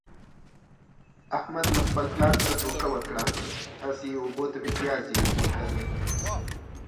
احمد له خپل پلار سره دوکه وکړه، هسې یې اوبو ته متیازې و کړلې.